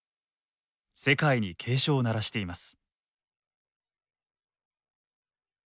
世界に警鐘を鳴らしています。